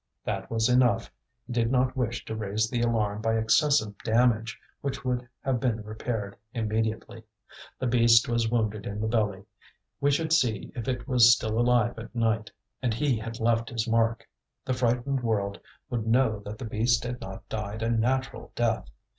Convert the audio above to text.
That was enough; he did not wish to raise the alarm by excessive damage which would have been repaired immediately. The beast was wounded in the belly; we should see if it was still alive at night. And he had left his mark; the frightened world would know that the beast had not died a natural death.